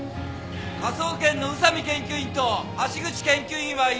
科捜研の宇佐見研究員と橋口研究員はいますか？